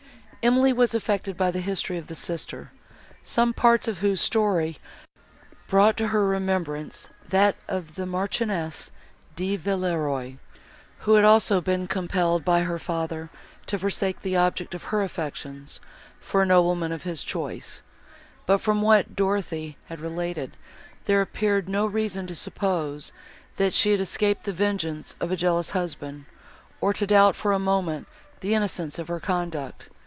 Emily was affected by the history of the sister, some parts of whose story brought to her remembrance that of the Marchioness de Villeroi, who had also been compelled by her father to forsake the object of her affections, for a nobleman of his choice; but, from what Dorothée had related, there appeared no reason to suppose, that she had escaped the vengeance of a jealous husband, or to doubt for a moment the innocence of her conduct.